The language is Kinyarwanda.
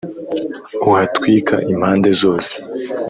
uhatwika impande zose.